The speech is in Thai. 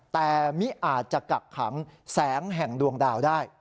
แต่มิอาจจะกักขังแสงแห่งดวงดาวได้